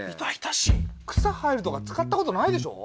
草生えるとか使ったことないでしょ？